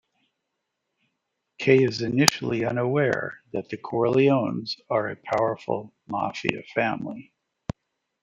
Kay is initially unaware that the Corleones are a powerful Mafia family.